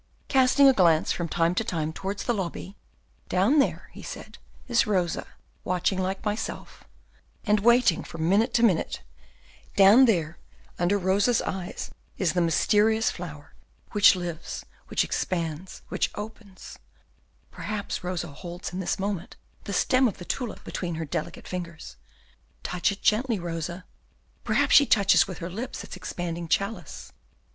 Then casting a glance from time to time towards the lobby, "Down there," he said, "is Rosa, watching like myself, and waiting from minute to minute; down there, under Rosa's eyes, is the mysterious flower, which lives, which expands, which opens, perhaps Rosa holds in this moment the stem of the tulip between her delicate fingers. Touch it gently, Rosa. Perhaps she touches with her lips its expanding chalice.